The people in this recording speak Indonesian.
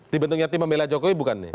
di bentuknya tim pembela jokowi bukan nih